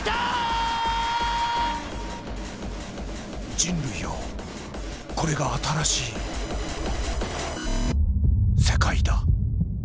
人類よ、これが新しい、世界だ。